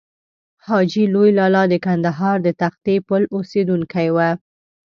حاجي لوی لالا د کندهار د تختې پل اوسېدونکی و.